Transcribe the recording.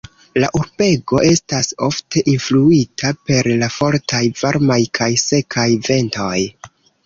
La urbego estas ofte influita per la fortaj, varmaj kaj sekaj ventoj.